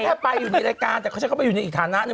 แค่ไปอยู่ในรายการแต่เขาฉันก็ไปอยู่ในอีกฐานะหนึ่ง